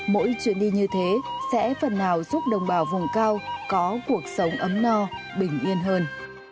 mỗi chuyến đi như thế sẽ phần nào giúp đồng bào vùng cao có cuộc sống ấm no bình yên hơn